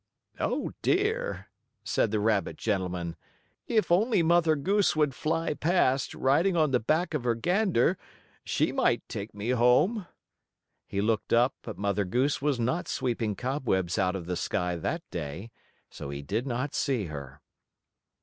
"Oh, dear!" said the rabbit gentleman, "if only Mother Goose would fly past, riding on the back of her gander, she might take me home." He looked up, but Mother Goose was not sweeping cobwebs out of the sky that day, so he did not see her.